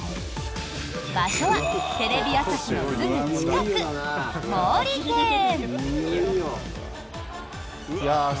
場所は、テレビ朝日のすぐ近く毛利庭園。